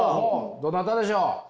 どなたでしょう？